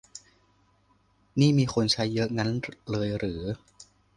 นี่มีคนใช้เยอะงั้นเลยเหรอ